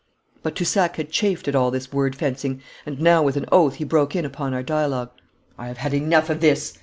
But Toussac had chafed at all this word fencing, and now with an oath he broke in upon our dialogue. 'I have had enough of this!'